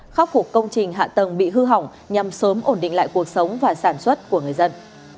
khắc phục công trình hạ tầng bị hư hỏng nhằm sớm ổn định lại cuộc sống và sản xuất của người dân